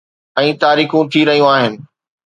۽ تاريخون ٿي رهيون آهن.